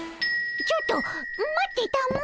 ちょっと待ってたも。